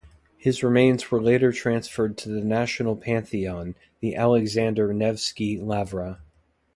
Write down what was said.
His remains were later transferred to the national pantheon, the Alexander Nevsky Lavra.